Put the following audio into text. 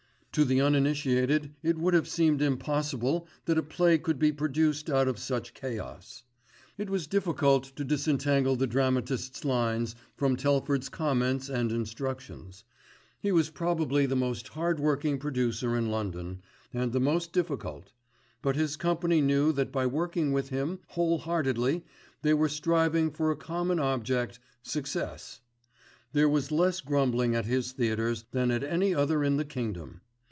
To the uninitiated it would have seemed impossible that a play could be produced out of such chaos. It was difficult to disentangle the dramatist's lines from Telford's comments and instructions. He was probably the most hard working producer in London, and the most difficult: but his company knew that by working with him whole heartedly they were striving for a common object—success. There was less grumbling at his theatres than at any other in the kingdom.